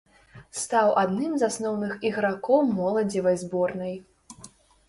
Стаў адным з асноўных ігракоў моладзевай зборнай.